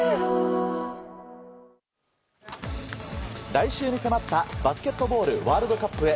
来週に迫ったバスケットボールワールドカップへ。